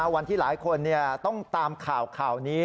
วันที่หลายคนต้องตามข่าวข่าวนี้